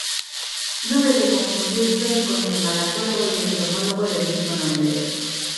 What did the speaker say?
No debe confundirse con el malacólogo y entomólogo del mismo nombre.